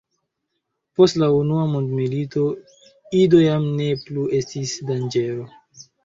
Post la unua mondmilito Ido jam ne plu estis danĝero.